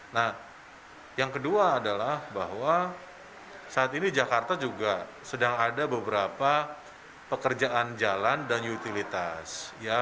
nah yang kedua adalah bahwa saat ini jakarta juga sedang ada beberapa pekerjaan jalan dan utilitas